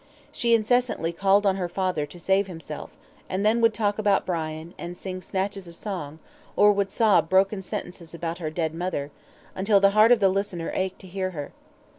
She incessantly called on her father to save himself, and then would talk about Brian, and sing snatches of song, or would sob broken sentences about her dead mother, until the heart of the listener ached to hear her.